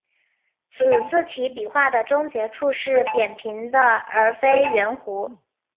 此字体笔画的终结处是扁平的而非圆弧。